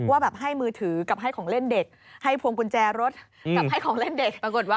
ว่าแบบให้มือถือกับให้ของเล่นเด็กให้พวงกุญแจรถกับให้ของเล่นเด็กปรากฏว่า